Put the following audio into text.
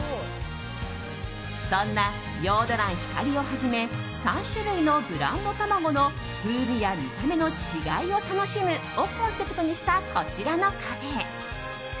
そんなヨード卵・光をはじめ３種類のブランド卵の風味や見た目の違いを楽しむをコンセプトにしたこちらのカフェ。